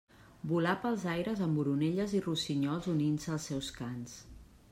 Volà pels aires amb oronelles i rossinyols unint-se als seus cants.